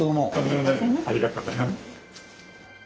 ありがとうございます。